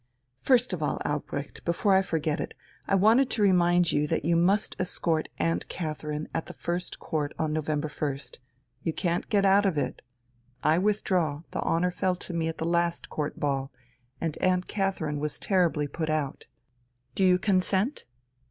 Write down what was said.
First of all, Albrecht, before I forget it, I wanted to remind you that you must escort Aunt Catherine at the first Court on November 1st you can't get out of it. I withdraw; the honour fell to me at the last Court Ball, and Aunt Catherine was terribly put out.... Do you consent?